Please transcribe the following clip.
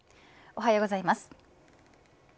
おはようございます。